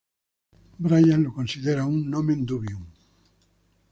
Bryant lo considera un "nomen dubium".